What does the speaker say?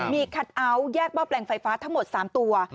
มีคัทเอาท์แยกหม้อแปลงไฟฟ้าทั้งหมด๓ตัว